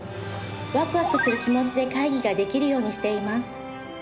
ワクワクする気持ちで会議ができるようにしています。